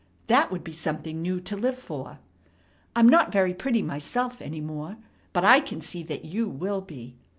That would be something new to live for. I'm not very pretty myself any more, but I can see that you will be.